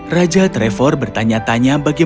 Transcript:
raja trevor bertanya tanya bagaimana untuk memperbaikinya